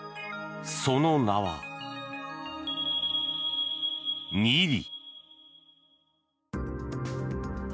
その名は、ニリ。